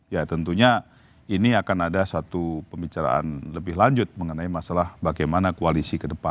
ya tentunya ini akan ada satu pembicaraan lebih lanjut mengenai masalah bagaimana koalisi ke depan